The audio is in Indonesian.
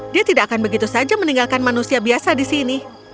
dia tidak akan begitu saja meninggalkan manusia biasa di sini